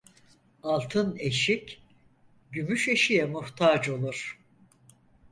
Altın eşik, gümüş eşiğe muhtaç olur.